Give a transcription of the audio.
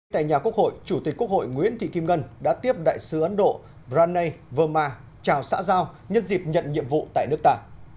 tại nhà quốc hội chủ tịch quốc hội nguyễn thị kim ngân đã tiếp đại sứ ấn độ ranei vơma chào xã giao nhân dịp nhận nhiệm vụ tại nước ta